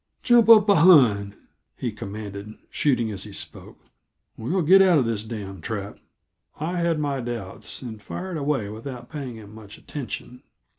"Jump up behind," he commanded, shooting as he spoke. "We'll get out of this damned trap." I had my doubts, and fired away without paying him much attention.